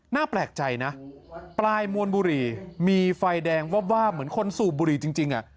แปลกใจนะปลายมวลบุหรี่มีไฟแดงวาบเหมือนคนสูบบุหรี่จริง